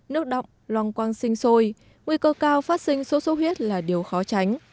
nước động loang quang sinh sôi nguy cơ cao phát sinh số số huyết là điều khó tránh